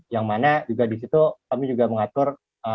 yang mana juga disitu kami juga mengatur